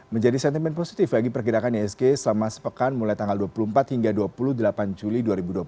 menjadi sentimen positif bagi pergerakan isg selama sepekan mulai tanggal dua puluh empat hingga dua puluh delapan juli dua ribu dua puluh satu